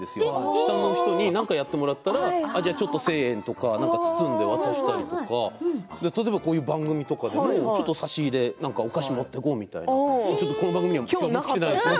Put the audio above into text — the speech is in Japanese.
下の人に何かやってもらったら１０００円とか包んで渡したり例えば番組とかでも差し入れお菓子を持っていこうとかこの番組では持ってきてないですけど。